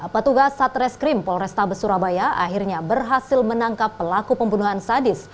petugas satreskrim polrestabes surabaya akhirnya berhasil menangkap pelaku pembunuhan sadis